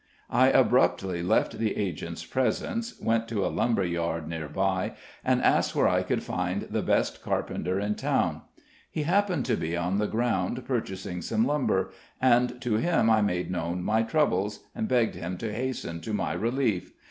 '" I abruptly left the agent's presence, went to a lumber yard near by, and asked where I could find the best carpenter in town. He happened to be on the ground purchasing some lumber, and to him I made known my troubles, and begged him to hasten to my relief.